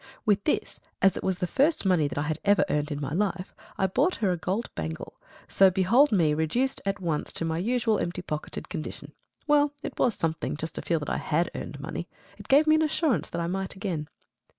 With this, as it was the first money that I had ever earned im my life, I bought her a gold bangle, so behold me reduced at once to my usual empty pocketed condition. Well, it was something just to feel that I HAD earned money. It gave me an assurance that I might again.